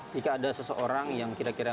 jika ada seseorang yang kira kira